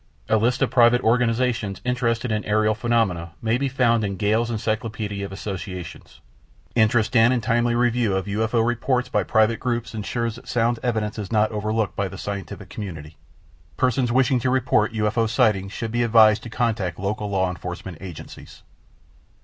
A list of private organizations interested in aerial phenomena may be found in Gale's Encyclopedia of Associations. Interest in and timely review of UFO reports by private groups ensures that sound evidence is not overlooked by the scientific community. Persons wishing to report UFO sightings should be advised to contact local law enforcement agencies.